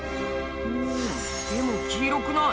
でも黄色くない。